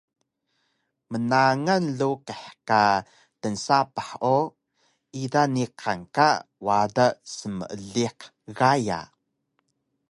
Mangal luqih ka tnsapah o ida niqan ka wada smeeliq gaya